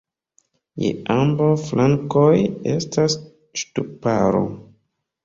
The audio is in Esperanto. Je ambaŭ flankoj estas ŝtuparo.